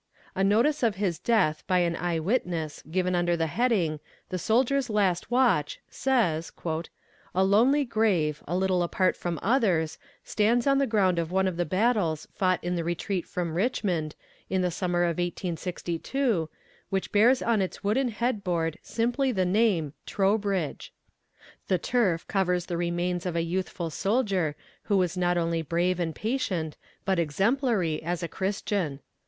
A notice of his death by an eye witness, given under the heading, "the Soldier's Last Watch," says: "A lonely grave, a little apart from others, stands on the ground of one of the battles fought in the retreat from Richmond, in the summer of 1862, which bears on its wooden head board simply the name, TROWBRIDGE. "The turf covers the remains of a youthful soldier who was not only brave and patient, but exemplary as a christian.